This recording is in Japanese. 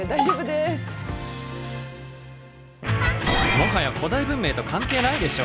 もはや古代文明と関係ないでしょ！